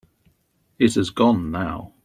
It has gone now.